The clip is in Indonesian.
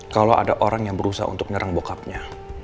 kalau ada orang yang berusaha untuk nyerang bokapnya